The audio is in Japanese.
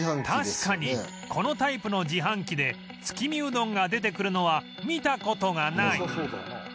確かにこのタイプの自販機で月見うどんが出てくるのは見た事がない